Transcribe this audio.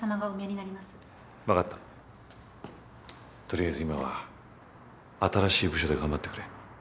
取りあえず今は新しい部署で頑張ってくれ。